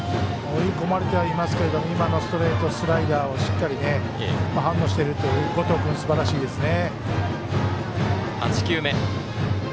追い込まれてはいますが今のストレート、スライダーをしっかり反応しているという後藤君すばらしいですね。